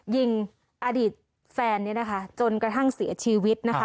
ยิงอดีตแฟนจนกระทั่งเสียชีวิต